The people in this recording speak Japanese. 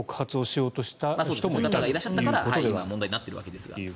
そういう方がいらっしゃったから問題になっているわけですから。